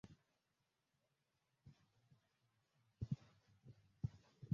Said Swedi Alianza kucheza Simba mwaka elfu mbili na mbili